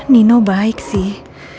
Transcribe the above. nino baik sih